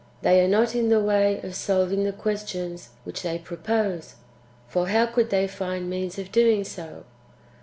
They are not in the way of solving the questions [which they propose] ; for how could they find means of doing so